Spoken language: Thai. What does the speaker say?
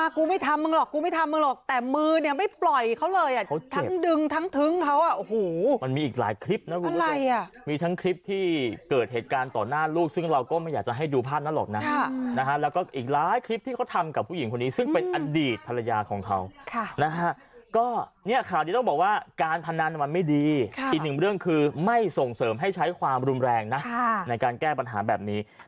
คุณผู้ชมไปดูภาพพร้อมกันครับ